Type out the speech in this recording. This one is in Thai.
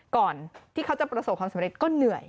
ก่อนที่เขาจะประสบความสำเร็จก็เหนื่อย